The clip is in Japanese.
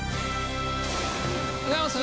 おはようございます